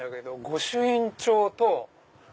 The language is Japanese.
御朱印帳！